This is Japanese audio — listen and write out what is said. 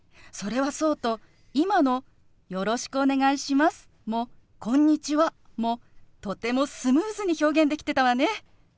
それはそうと今の「よろしくお願いします」も「こんにちは」もとてもスムーズに表現できてたわね。